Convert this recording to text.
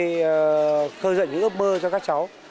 chúng tôi đưa dẫn những ước mơ cho các cháu